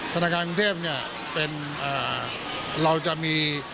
ธนาคารกรุงเทพฯเราจะมี